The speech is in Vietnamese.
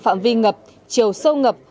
phạm vi ngập chiều sâu ngập